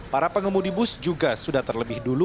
para pengemudi bus juga sudah terlebih dulu